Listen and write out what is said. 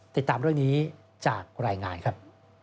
ติดตามเรื่องนี้จากรายงานครับ